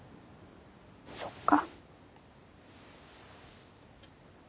そっか。